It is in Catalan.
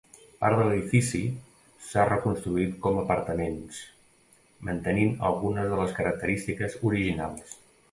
Part de l'edifici s'ha reconstruït com a apartaments, mantenint algunes de les característiques originals.